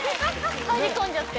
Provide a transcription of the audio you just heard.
入り込んじゃって。